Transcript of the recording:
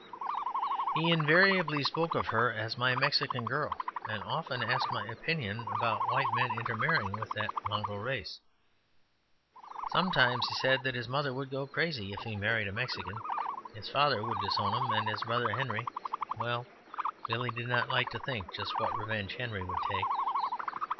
He invariably spoke of her as "my Mexican girl," and often asked my opinion about white men intermarrying with that mongrel race. Sometimes he said that his mother would go crazy if he married a Mexican, his father would disown him, and his brother Henry well, Billy did not like to think just what revenge Henry would take.